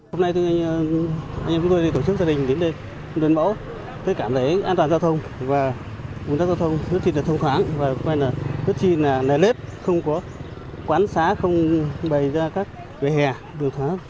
hôm nay chúng tôi tổ chức gia đình đến đền mẫu để cảm thấy an toàn giao thông và vùng trắc giao thông rất là thông thoáng và rất là nề lết không có quán xá không bày ra các người hè